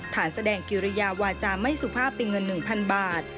แสดงกิริยาวาจาไม่สุภาพเป็นเงิน๑๐๐๐บาท